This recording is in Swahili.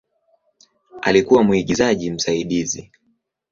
Alikuwa mwigizaji msaidizi.